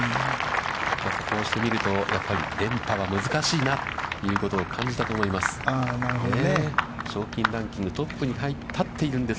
こうして見ると、やっぱり連覇は難しいなということを感じたと思います。